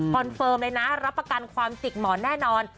เฟิร์มเลยนะรับประกันความจิกหมอนแน่นอน